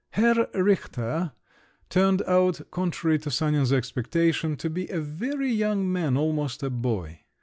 Herr Richter turned out, contrary to Sanin's expectation, to be a very young man, almost a boy.